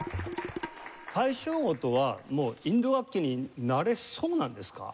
大正琴はもうインド楽器になれそうなんですか？